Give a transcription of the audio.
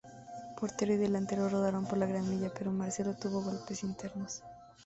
Portero y delantero rodaron por la gramilla, pero Marcelo tuvo golpes internos.